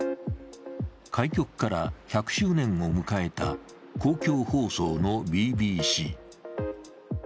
開局から１００周年を迎えた公共放送のＢＢＣ。